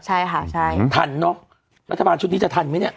ใช่ค่ะใช่ทันเนอะรัฐบาลชุดนี้จะทันไหมเนี่ย